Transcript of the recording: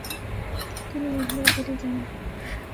তিনি মহিলার বাড়ি যান।